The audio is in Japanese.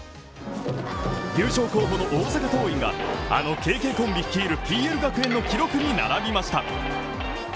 優勝候補の大阪桐蔭が、あのＫＫコンビ率いるＰＬ学園の記録に並びました。